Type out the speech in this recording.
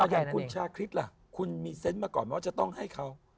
อย่างคุณชาคริสล่ะคุณมีเซนต์มาก่อนไหมว่าจะต้องให้เขา